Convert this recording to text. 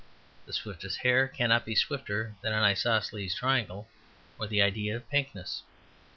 The swiftest hare cannot be swifter than an isosceles triangle or the idea of pinkness.